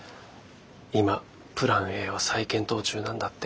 今プランＡを再検討中なんだって。